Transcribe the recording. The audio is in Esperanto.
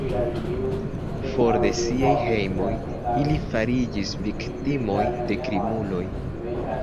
For de siaj hejmoj ili fariĝis viktimoj de krimuloj.